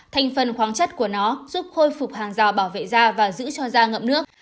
thành phần khoáng chất của nó giúp khôi phục hàng rào bảo vệ da và giữ cho da ngậm nước